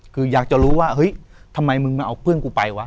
คืออยากจะรู้ว่าเฮ้ยทำไมมึงมาเอาเพื่อนกูไปวะ